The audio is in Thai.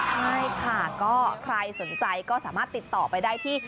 ใช่ค่ะก็ใครสนใจก็สามารถติดต่อไปได้ที่